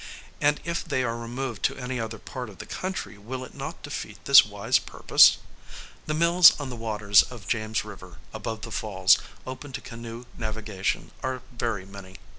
And, if they are removed to any other part of the country, will it not defeat this wise purpose? The mills on the waters of James river, above the falls, open to canoe navigation, are very many.